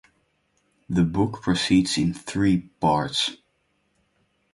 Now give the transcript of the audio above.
The book proceeds in three parts.